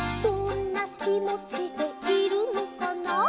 「どんなきもちでいるのかな」